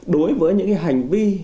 đối với những hành vi